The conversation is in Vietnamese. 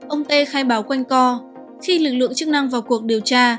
ông tê khai báo quanh co khi lực lượng chức năng vào cuộc điều tra